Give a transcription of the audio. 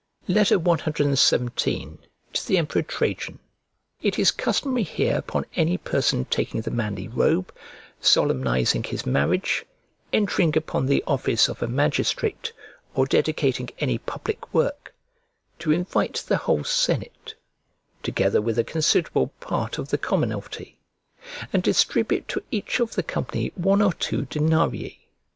CXVII To THE EMPEROR TRAJAN IT is customary here upon any person taking the manly robe, solemnising his marriage, entering upon the office of a magistrate, or dedicating any public work, to invite the whole senate, together with a considerable part of the commonalty, and distribute to each of the company one or two denarii.